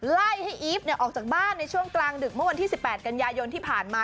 ไล่ให้อีฟออกจากบ้านในช่วงกลางดึกเมื่อวันที่๑๘กันยายนที่ผ่านมา